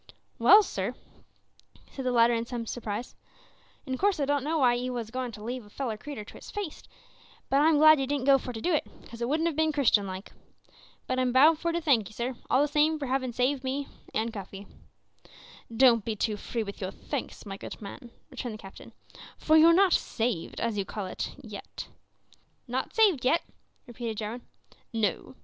"Well, sir," said the latter in some surprise, "in course I don't know why you wos a goin' to leave a feller creetur to his fate, but I'm glad you didn't go for to do it, 'cos it wouldn't have bin Christian like. But I'm bound for to thank 'ee, sir, all the same for havin' saved me and Cuffy." "Don't be too free with your thanks, my good man," returned the captain, "for you're not saved, as you call it, yet." "Not saved yet?" repeated Jarwin. "No.